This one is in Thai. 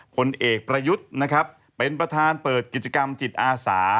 ผลเอกประยุทธ์นะครับเป็นประธานเปิดกิจกรรมจิตอาสา